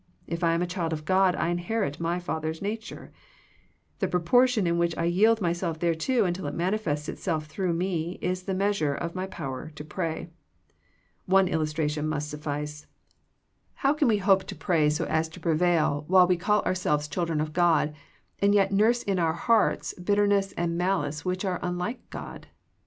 If I am a child of God I inherit my Father's nature. The proportion in which I yield myself thereto until it manifests itself through me is the meas ure of my power to pray. One illustration must suffice. How can we hope to pray so as to pre 54 THE PEAOTICE OF PRAYEE vail while we call ourselves children of God, and yet nurse in our hearts bitterness and malice which are unlike God